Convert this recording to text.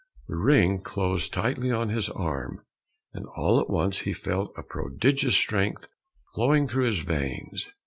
The ring closed tightly on his arm, and all at once he felt a prodigious strength flowing through his veins.